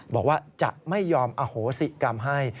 บอกว่าจะไม่ยอมอโหสิกรรมให้